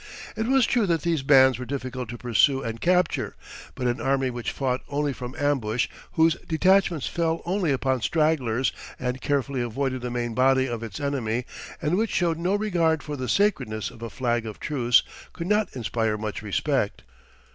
It was true that these bands were difficult to pursue and capture, but an army which fought only from ambush, whose detachments fell only upon stragglers and carefully avoided the main body of its enemy, and which showed no regard for the sacredness of a flag of truce, could not inspire much respect.